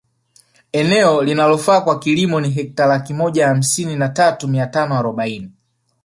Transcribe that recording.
Eneo linalofaa kwa kilimo ni Hekta laki moja hamsini na tatu mia tano arobaini